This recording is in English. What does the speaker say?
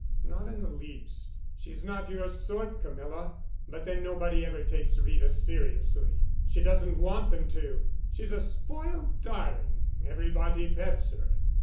"Not in the least. She's not your sort, Camilla. But then nobody ever takes Rita seriously. She doesn't want them to. She's a spoiled darling. Everybody pets her.